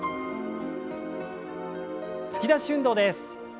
突き出し運動です。